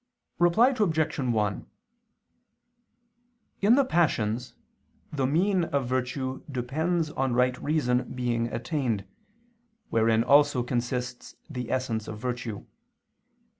Reply Obj. 1: In the passions, the mean of virtue depends on right reason being attained, wherein also consists the essence of virtue.